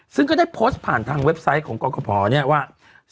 ซึ่งก็ได้โพสต์ผ่านทางเว็บไซต์ของกรกภเนี่ยว่า